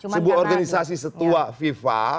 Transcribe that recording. sebuah organisasi setua fifa